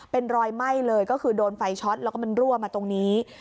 เป็นรอยไหม้เลยก็คือโดนไฟช็อตแล้วก็มันรั่วมาตรงนี้